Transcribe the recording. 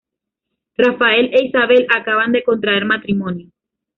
Rafael e Isabel acaban de contraer matrimonio.